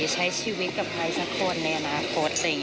ใช้ชีวิตกับใครสักคนในอนาคต